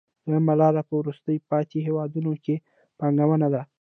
دویمه لار په وروسته پاتې هېوادونو کې پانګونه ده